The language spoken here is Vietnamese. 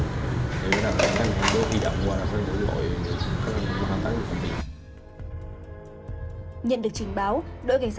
thế là cái anh em tuần xuống thì mới làm cái anh em hy vọng qua đối với đội tác viên phòng việc